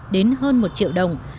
đến hơn một triệu đồng